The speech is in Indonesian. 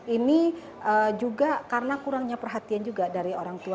ini juga karena kurangnya perhatian juga dari orang tua